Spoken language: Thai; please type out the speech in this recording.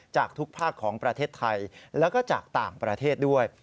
จากทุกภาคของประเทศไทยแล้วก็จากต่างประเทศด้วย